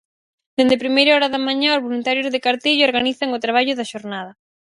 Dende primeira hora da mañá os voluntarios de Cartelle organizan o traballo da xornada.